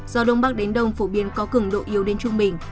do đông bắc đến đông phổ biến có cứng độ yếu đến trung bình